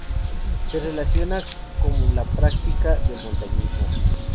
Se relaciona con la práctica del montañismo.